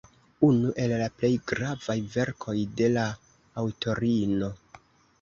Unu el la plej gravaj verkoj de la aŭtorino.